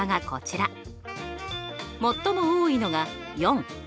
最も多いのが４。